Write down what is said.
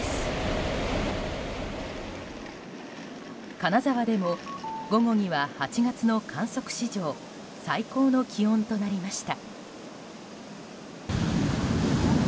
金沢でも、午後には８月の観測史上最高の気温となりました。